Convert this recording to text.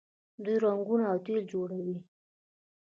دوی رنګونه او تیل جوړوي.